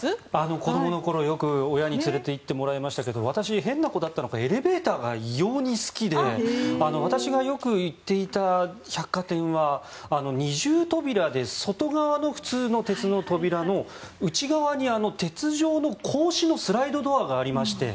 子どもの頃よく親に連れていってもらいましたが私、変な子だったのかエレベーターが異様に好きで私がよく行っていた百貨店は二重扉で外側の普通の鉄の扉の内側に格子のスライドドアがありまして。